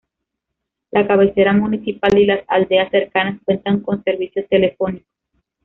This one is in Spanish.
La cabecera municipal y las aldeas cercanas cuentan con servicio telefónico.